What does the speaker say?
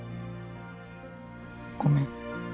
ごめん。